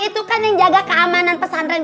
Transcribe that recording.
itu kan yang jaga keamanan pesantren